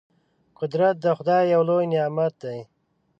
قدرت د خدای یو لوی نعمت دی.